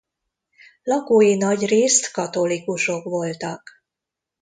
Lakói nagyrészt katolikusok voltak.